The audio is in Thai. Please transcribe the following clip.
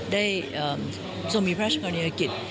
ได้ทรงมีพระราชกรณีออกิต